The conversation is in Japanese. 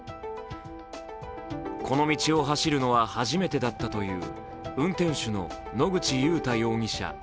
この道を走るのは走るのは初めてだったという運転手の野口祐太容疑者